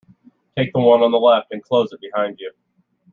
Take the one on the left and close it behind you.